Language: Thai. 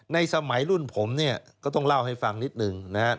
สมัยรุ่นผมเนี่ยก็ต้องเล่าให้ฟังนิดนึงนะครับ